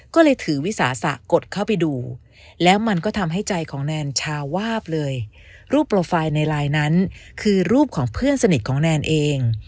ก็เลยถือวิสาสะกดเข้าไปดูแล้วมันก็ทำให้ใจของแนนชาวาบเลยรูปโปรไฟล์ในไลน์นั้นคือรูปของเพื่อนสนิทของแนนเอง